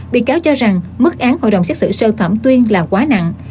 bị cáo cho rằng mức án hội đồng xét xử sơ thẩm tuyên là quá nặng